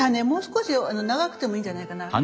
もう少し長くてもいいんじゃないかな。